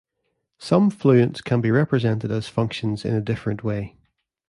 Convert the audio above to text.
Some fluents can be represented as functions in a different way.